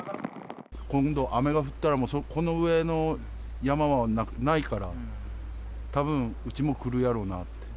今度、雨が降ったら、もう、この上の山はないから、たぶん、うちも来るやろうなって。